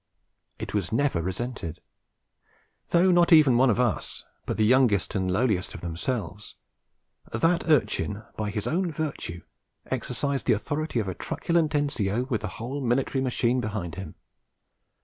It was never resented. Though not even one of us, but the youngest and lowliest of themselves, that urchin by his own virtue exercised the authority of a truculent N.C.O. with the whole military machine behind him.